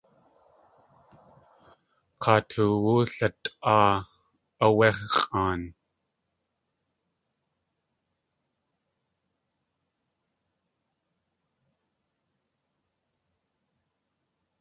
K̲aa toowú latʼaa áwé x̲ʼaan.